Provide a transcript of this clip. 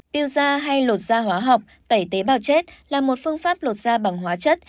piu da hay lột da hóa học tẩy tế bào chết là một phương pháp lột da bằng hóa chất